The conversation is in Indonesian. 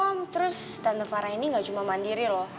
iya om terus tante farah ini gak cuma mandiri loh